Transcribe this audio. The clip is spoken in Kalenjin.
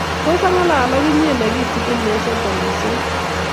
Tos angalal ak inye ne kitikin eng sekudisiek?